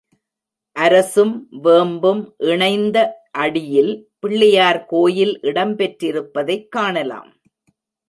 அரசும் வேம் பும் இணைந்த அடியில் பிள்ளையார்கோயில் இடம் பெற்றிருப்பதைக் காணலாம்.